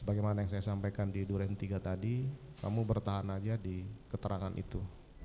bagaimana yang saya sampaikan di duren tiga tadi kamu bertahan aja di keterangan itu